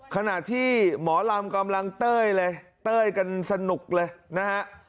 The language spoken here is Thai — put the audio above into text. ขณะที่หมอลำกำลังเต้ยเลยเต้ยกันสนุกเลยนะฮะ